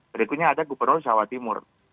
berikutnya ada gubernur jawa timur